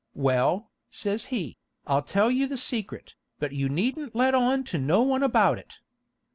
'Well,' says he, 'I'll tell you the secret, but you needn't let on to no one about it.